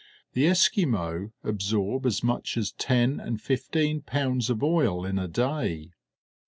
The Esquimaux absorb as much as ten and fifteen pounds of oil in a day.